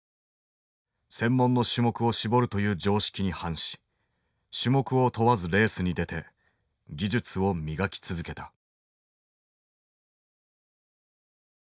専門の種目を絞るという常識に反し種目を問わずレースに出て技術を磨き続けた。